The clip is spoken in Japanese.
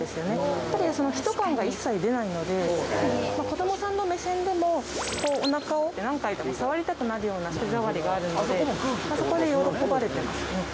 やっぱりその人感が一切出ないので子どもさんの目線でもこうおなかを何回でも触りたくなるような手触りがあるのでそこで喜ばれてますね